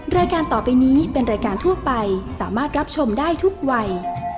รายการต่อไปนี้เป็นรายการทั่วไปสามารถรับชมได้ทุกวัย